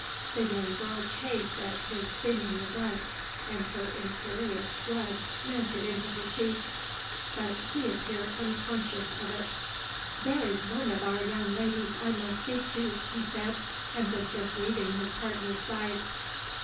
The young girl chafed at his seeming neglect, and her imperious blood mounted into her cheeks; but he appeared unconscious of it. "There is one of our young ladies I must speak to," he said, and was just leaving his partner's side.